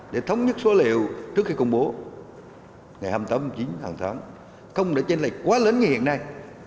để thống nhất số liệu trước khi công bố ngày hai mươi tám hai mươi chín hàng tháng không để tranh lệch quá lớn như hiện nay